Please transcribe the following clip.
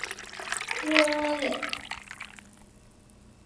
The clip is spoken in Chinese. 此站工程由中铁建工集团京沪高铁滕州东站项目部承建。